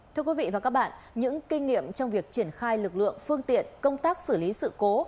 thưa quý vị và các bạn những kinh nghiệm trong việc triển khai lực lượng phương tiện công tác xử lý sự cố